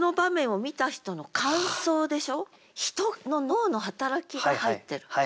人の脳の働きが入ってる。